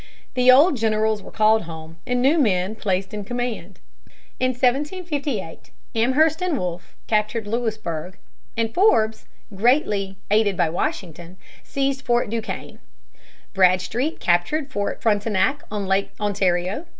The old generals were called home, and new men placed in command. In 1758 Amherst and Wolfe captured Louisburg, and Forbes, greatly aided by Washington, seized Fort Duquesne. Bradstreet captured Fort Frontenac, on Lake Ontario.